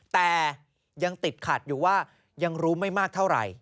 แต่ยังติดขัดอยู่ว่ายังรู้ไม่มากเท่าไหร่